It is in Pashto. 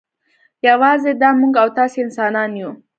یوازې دا موږ او تاسې انسانان یو.